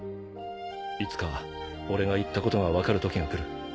いつか俺が言ったことが分かる時が来る。